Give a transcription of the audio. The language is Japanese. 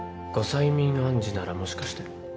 催眠暗示ならもしかして。